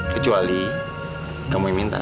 kecuali kamu yang minta